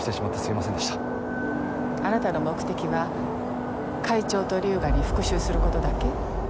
あなたの目的は会長と龍河に復讐する事だけ？